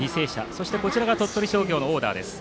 そして、鳥取商業のオーダーです。